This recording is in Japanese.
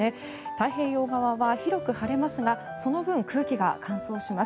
太平洋側は広く晴れますがその分、空気が乾燥します。